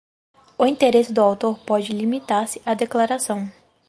O interesse do autor pode limitar-se à declaração: